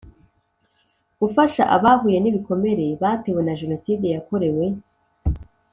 gufasha abahuye n ibikomere batewe na Jenoside yakorewe